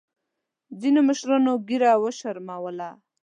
ځینو مشرانو ګیره وشرمولـه.